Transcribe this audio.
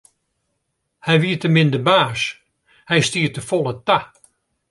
Hy wie te min de baas, hy stie te folle ta.